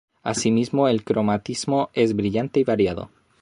Asimismo, el cromatismo es brillante y variado.